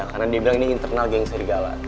karena dia bilang ini internal geng serigala